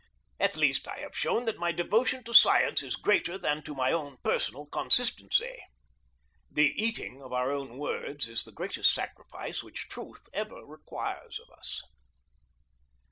At least, I have shown that my devotion to science is greater than to my own personal consistency. The eating of our own words is the greatest sacrifice which truth ever requires of us.